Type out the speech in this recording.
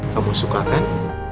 kamu suka kan